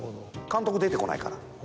監督出てこないから。